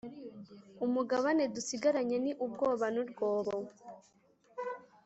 umugabane dusigaranye ni ubwoba n’urwobo,